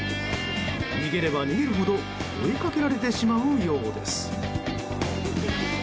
逃げれば逃げるほど追いかけられてしまうようです。